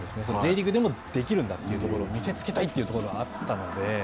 Ｊリーグでもできるんだというところを見せつけたいというところがあったので。